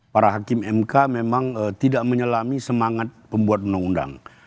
para hakim mk memang tidak menyelami semangat pembuat undang undang